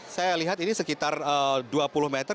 saya lihat ini sekitar dua puluh meter